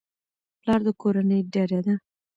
پلار د کورنۍ ډډه ده.